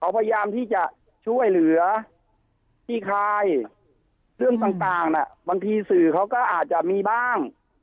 พยายามที่จะช่วยเหลือขี้คายเรื่องต่างบางทีสื่อเขาก็อาจจะมีบ้าง